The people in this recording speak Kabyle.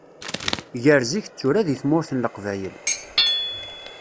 Gar zik d tura deg tmurt n leqbayel.